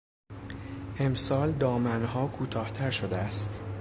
امسال دامنها کوتاهتر شده است.